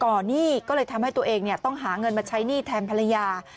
หนี้ก็เลยทำให้ตัวเองต้องหาเงินมาใช้หนี้แทนภรรยา